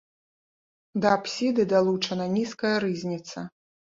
Да апсіды далучана нізкая рызніца.